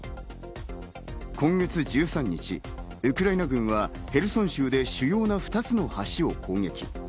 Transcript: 今月１３日、ウクライナ軍はヘルソン州で主要な２つの橋を攻撃。